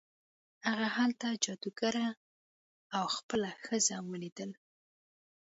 هغه هلته جادوګر او خپله ښځه ولیدل.